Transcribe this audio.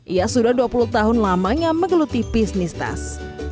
ia sudah dua puluh tahun lamanya menggeluti bisnis tas